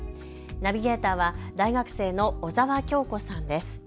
ナビゲーターは大学生の小澤杏子さんです。